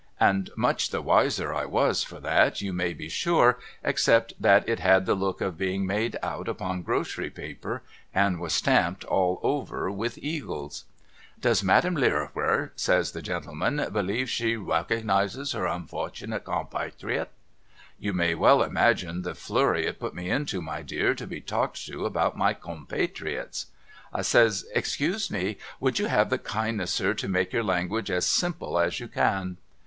And much the wiser I was for that you may be sure, except that it had the look of being made out upon grocery paper and was stamped all over with eagles. 'Does Madame Lirrwiper' says the gentleman, 'believe she rrwecognises her unfortunate compatrrwiot ?' You may imagine the flurry it put me into my dear to be talked to about my compatriots, I says ' Excuse me. Would you have the kindness sir to make your language as simple as you can